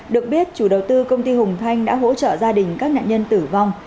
được biết chủ đầu tư công ty hùng thanh đã hỗ trợ gia đình các nạn nhân tử vong